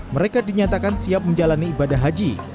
mereka dinyatakan siap menjalani ibadah haji